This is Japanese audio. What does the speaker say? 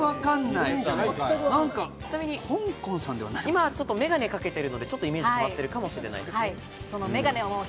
今、眼鏡かけてるのでちょっとイメージ変わってるかもしれないです。